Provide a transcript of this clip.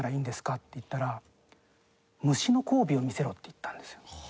って言ったら「虫の交尾を見せろ」って言ったんですよ。